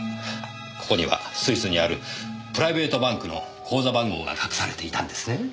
ここにはスイスにあるプライベートバンクの口座番号が隠されていたんですね。